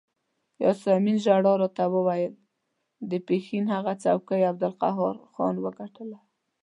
یاسمین ژر راته وویل د پښین هغه څوکۍ عبدالقهار خان وګټله.